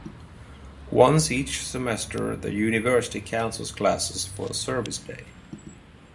Once each semester the university cancels classes for a service day.